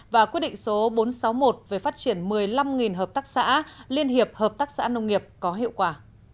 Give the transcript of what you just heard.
và quyết định số bốn trăm sáu mươi một về phát triển một mươi năm hợp tác xã liên hiệp hợp tác xã nông nghiệp có hiệu quả